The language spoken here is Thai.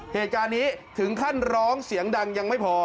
เหตุการณ์นี้ถึงขั้นร้องเสียงดังยังไม่พอ